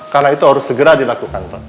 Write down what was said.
karena itu harus segera dilakukan pak